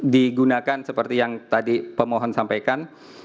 digunakan seperti yang tadi pemohon sampaikan